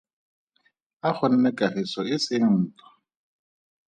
A gonne kagiso e seng ntwa.